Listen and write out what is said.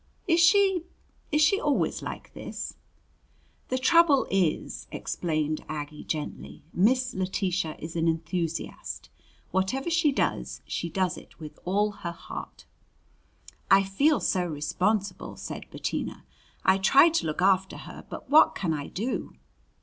"Is she is she always like this?" "The trouble is," explained Aggie gently, "Miss Letitia is an enthusiast. Whatever she does, she does with all her heart." "I feel so responsible," said Bettina. "I try to look after her, but what can I do?"